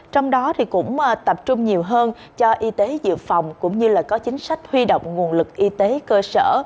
trong đó cũng tập trung nhiều hơn cho y tế dự phòng cũng như là có chính sách huy động nguồn lực y tế cơ sở